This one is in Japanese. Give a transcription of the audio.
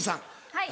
はい。